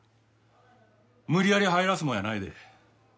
無理やり入らすもんやないで。